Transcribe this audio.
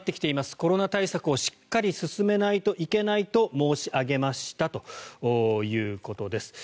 コロナ対策をしっかり進めないといけないと申し上げましたということです。